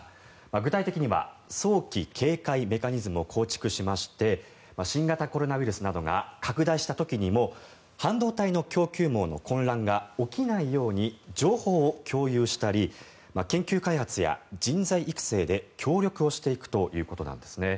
具体的には早期警戒メカニズムを構築しまして新型コロナウイルスなどが拡大した時にも半導体の供給網の混乱が起きないように情報を共有したり研究開発や人材育成で協力をしていくということなんですね。